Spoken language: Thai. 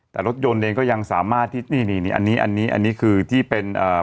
แต่รถยนต์เองก็ยังสามารถที่นี่นี่อันนี้อันนี้คือที่เป็นเอ่อ